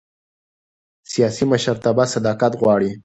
سیاسي مشرتابه صداقت غواړي